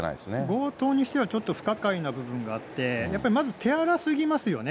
強盗にしてはちょっと不可解な部分があって、やっぱりまず手荒すぎますよね。